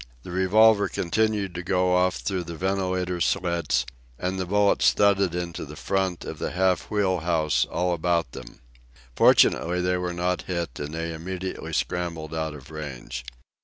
The revolver continued to go off through the ventilator slits, and the bullets thudded into the front of the half wheel house all about them. Fortunately they were not hit, and they immediately scrambled out of range.